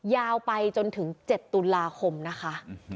ยาวไปจนถึง๗ตุลาคมนะคะ